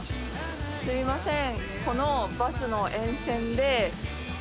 すいません。